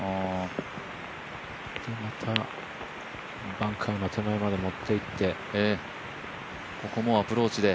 またバンカーの手前まで持っていってここもアプローチで。